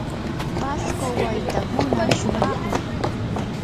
pasco waytakuna shumaqmi.